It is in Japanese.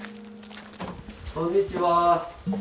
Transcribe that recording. こんにちは。